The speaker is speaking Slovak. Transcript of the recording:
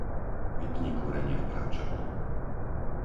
Vypni kúrenie v práčovni.